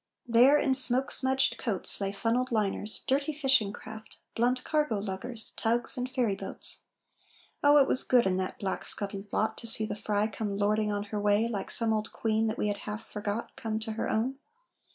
There, in smoke smudged coats, Lay funnelled liners, dirty fishing craft, Blunt cargo luggers, tugs, and ferry boats. Oh, it was good in that black scuttled lot To see the Frye come lording on her way Like some old queen that we had half forgot Come to her own.